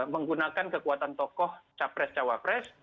menggunakan kekuatan tokoh cawapres